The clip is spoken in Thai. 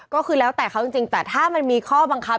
ก็คือแล้วแต่เขาจริงแต่ถ้ามันมีข้อบังคับ